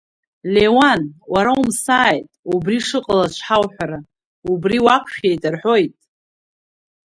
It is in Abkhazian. Леуан, уара умсааит, убри шыҟалаз шҳауҳәара, убри уақәшәеит, рҳәоит!